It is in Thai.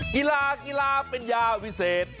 กีฬากีฬาเป็นยาวิเศษ